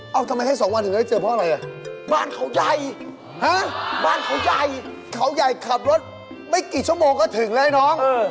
เอาอะไรกว่าพูดเหรอคะเออ